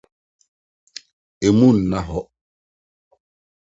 Emu nna hɔ